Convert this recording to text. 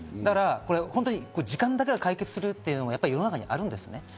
時間だけが解決するというのは世の中になるんですね。